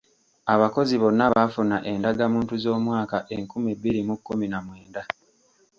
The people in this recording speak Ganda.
Abakozi bonna baafuna endagamuntu z’omwaka enkumi bbiri mu kkumi na mwenda.